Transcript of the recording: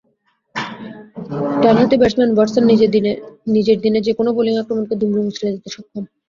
ডান হাতি batsman Watson নিজের দিনে যেকোনো বোলিং আক্রমণকে দুমড়ে-মুচড়ে দিতে সক্ষম।